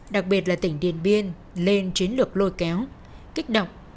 đặc biệt là tỉnh điện biên lên chiến lược lôi kéo kích động